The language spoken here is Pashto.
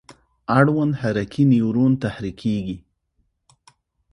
اړوند حرکي نیورون تحریکیږي.